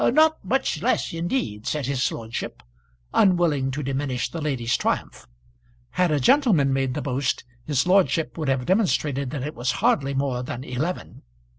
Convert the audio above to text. "Not much less, indeed," said his lordship, unwilling to diminish the lady's triumph. Had a gentleman made the boast his lordship would have demonstrated that it was hardly more than eleven.